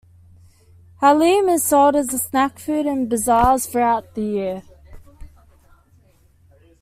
Haleem is sold as a snack food in bazaars throughout the year.